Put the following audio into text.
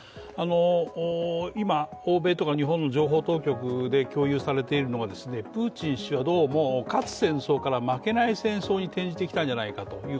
今、欧米とか日本の情報当局で共有されているのがプーチン氏はどうも勝つ戦争から負けない戦争に転じてきたのではないかと。